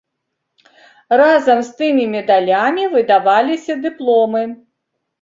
Разам з тымі медалямі выдаваліся дыпломы.